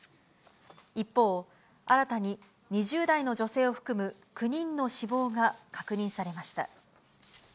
一方、新たに２０代の女性を含む、９人の死亡が確認されました。